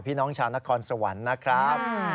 พี่น้องชาวนครสวรรค์นะครับ